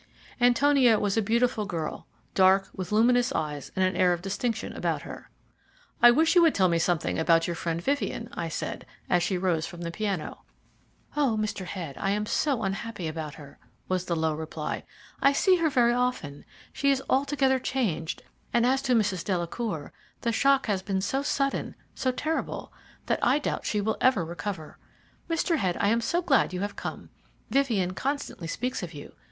Antonia was a beautiful girl, dark, with luminous eyes and an air of distinction about her. "I wish you would tell me something about your friend Vivien," I said, as she rose from the piano. "Oh, Mr. Head, I am so unhappy about her," was the low reply. "I see her very often she is altogether changed; and as to Mrs. Delacour, the shock has been so sudden, so terrible, that I doubt if she will ever recover. Mr. Head, I am so glad you have come. Vivien constantly speaks of you.